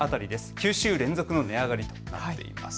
９週連続の値上がりとなっています。